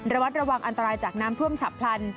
วัดระวังอันตรายจากน้ำท่วมฉับพลัน